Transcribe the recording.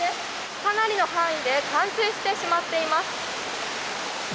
かなりの範囲で冠水してしまっています。